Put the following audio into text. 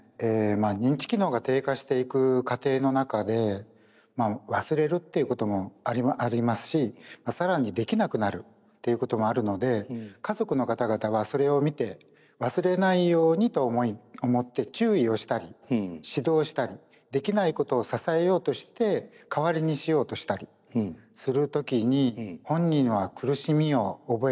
認知機能が低下していく過程の中で忘れるっていうこともありますし更にできなくなるということもあるので家族の方々はそれを見て忘れないようにと思って注意をしたり指導したりできないことを支えようとして代わりにしようとしたりする時に本人は苦しみを覚えることが多いです。